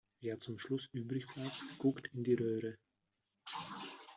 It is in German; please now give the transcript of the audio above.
Wer zum Schluss übrig bleibt, guckt in die Röhre.